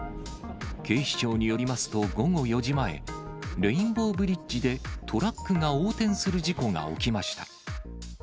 警視庁によりますと、午後４時前、レインボーブリッジでトラックが横転する事故が起きました。